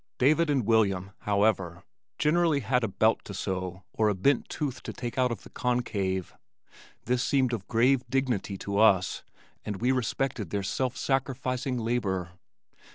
David and William, however, generally had a belt to sew or a bent tooth to take out of the "concave." This seemed of grave dignity to us and we respected their self sacrificing labor.